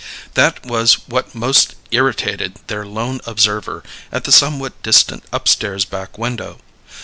That was what most irritated their lone observer at the somewhat distant upstairs back window.